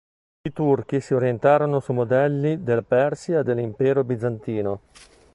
I turchi si orientarono su modelli della Persia e dell'Impero bizantino.